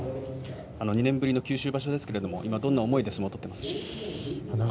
２年ぶりの九州場所ですが今、どんな思いで相撲を取っていますか？